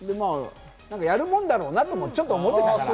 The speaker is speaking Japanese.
やるもんだろうなとちょっと思ってたから。